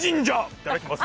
いただきます！